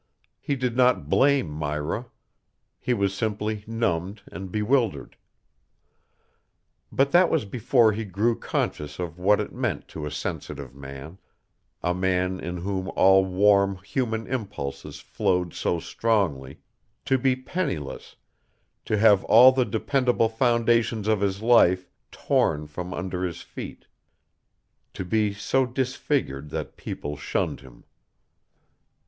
He did not blame Myra. He was simply numbed and bewildered. But that was before he grew conscious of what it meant to a sensitive man, a man in whom all warm human impulses flowed so strongly, to be penniless, to have all the dependable foundations of his life torn from under his feet, to be so disfigured that people shunned him.